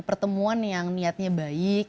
pertemuan yang niatnya baik